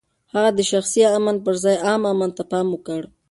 هغه د شخصي امن پر ځای عام امن ته پام وکړ.